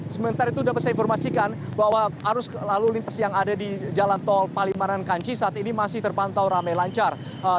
sementara itu dapat saya informasikan bahwa arus lalu lintas yang ada di jalan tol palimanan kanci saat ini masih terpantau ramai lancar